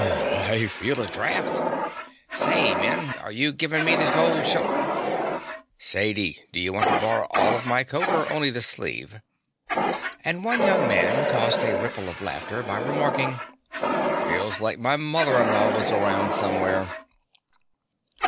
"Br r r r! I feel a draft!" "Say, Min, are you givin' me the cold shoulder?" "Sadie, d'you want to borrow all of my coat or only the sleeve?" And one young man caused a ripple of laughter by remarking: "Feels like my mother in law was around somewhere."